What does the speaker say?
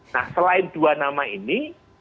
nah selain dua nama ini